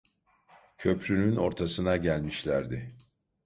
Köprünün ortasına gelmişlerdi…